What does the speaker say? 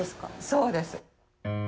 そうです。